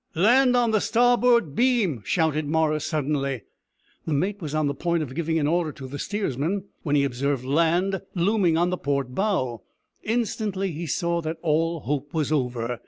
"Land on the starboard beam!" shouted Morris suddenly. The mate was on the point of giving an order to the steersman when he observed land looming on the port bow. Instantly he saw that all hope was over.